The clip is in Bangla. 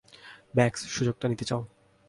ম্যাক্স, সুযোগটা নিতে চাও?